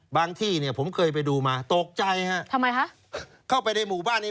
ที่เนี่ยผมเคยไปดูมาตกใจฮะทำไมคะเข้าไปในหมู่บ้านนี้